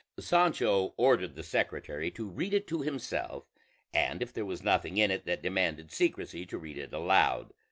Sancho ordered the secretary to read it to himself, and if there was nothing in it that demanded secrecy, to read it aloud.